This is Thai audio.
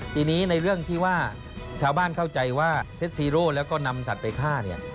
ปีนี้ในเรื่องที่ว่าชาวบ้านเข้าใจว่าเซ็ตซีโร่แล้วก็นำสัตว์ไปฆ่าเนี่ย